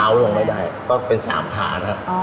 ขาวลงไม่ได้ก็เป็นสามขานะฮะ